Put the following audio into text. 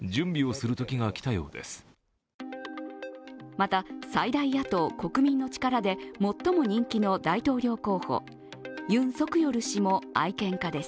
また、最大野党、国民の力で最も人気の大統領候補、ユン・ソクヨル氏も愛犬家です。